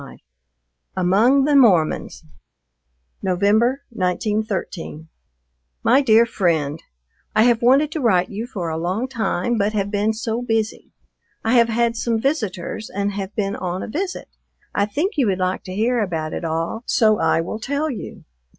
XXV AMONG THE MORMONS November, 1913. MY DEAR FRIEND, I have wanted to write you for a long time, but have been so busy. I have had some visitors and have been on a visit; I think you would like to hear about it all, so I will tell you.